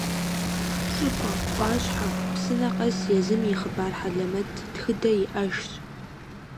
Щӏыпӏэ, ӏуащхьэ, псынэ къэс езым и хъыбар хьэлэмэт, тхыдэ иӏэжщ.